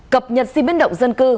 cập nhật si biến động dân cư